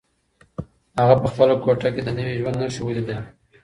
هغه په خپله کوټه کې د نوي ژوند نښې ولیدلې.